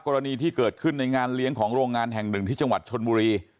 กรณีที่เกิดขึ้นในงานเลี้ยงของโรงงานแห่งหนึ่งที่จังหวัดชนบุรี